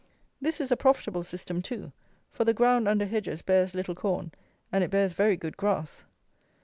This is a profitable system too; for the ground under hedges bears little corn, and it bears very good grass.